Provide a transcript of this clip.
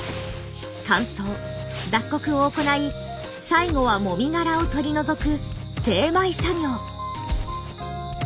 乾燥脱穀を行い最後は籾殻を取り除く精米作業。